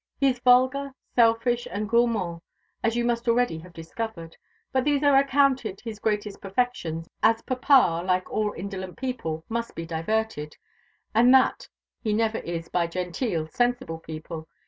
He is vulgar, selfish, and gourmand, as you must already have discovered; but these are accounted his greatest perfections, as papa, like all indolent people, must be diverted and that he never is by genteel, sensible people.